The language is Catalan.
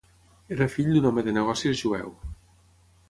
Era fill d'un home de negocis jueu.